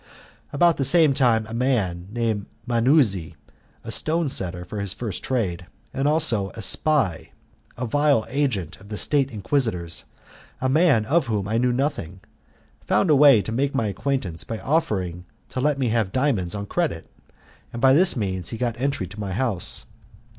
About the same time a man named Manuzzi, a stone setter for his first trade, and also a spy, a vile agent of the State Inquisitors a man of whom I knew nothing found a way to make my acquaintance by offering to let me have diamonds on credit, and by this means he got the entry of my house.